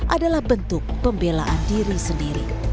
adalah bentuk pembelaan diri sendiri